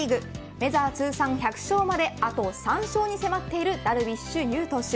メジャー通算１００勝まであと３勝に迫っているダルビッシュ有投手。